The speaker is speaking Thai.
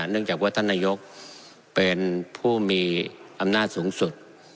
เนื่องจากว่าท่านนายกเป็นผู้มีอำนาจสูงสุด